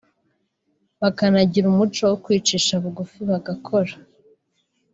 bakanagira umuco wo kwicisha bugufi bagakora